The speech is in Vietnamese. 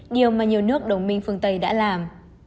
điều mà nhiều nước đồng minh phương tây đã làm